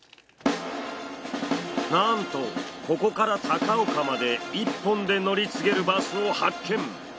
なんとここから高岡まで１本で乗り継げるバスを発見。